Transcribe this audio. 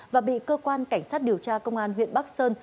và bị cơ quan cảnh sát điều tra công an huyện bắc sơn